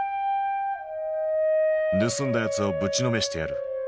「盗んだやつをぶちのめしてやる！」。